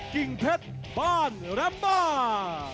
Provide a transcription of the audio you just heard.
กิ่งเพชรบ้านแรมบ้า